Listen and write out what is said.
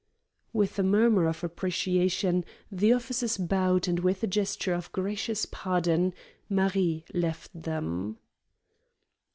With a murmur of appreciation the officers bowed and with a gesture of gracious pardon Marie left them.